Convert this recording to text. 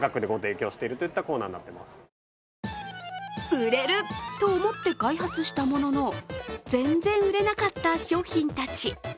売れると思って開発したものの全然売れなかった商品たち。